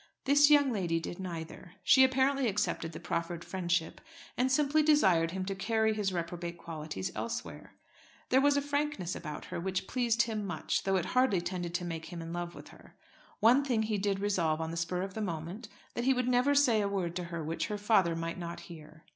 This young lady did neither. She apparently accepted the proffered friendship, and simply desired him to carry his reprobate qualities elsewhere. There was a frankness about her which pleased him much, though it hardly tended to make him in love with her. One thing he did resolve on the spur of the moment, that he would never say a word to her which her father might not hear.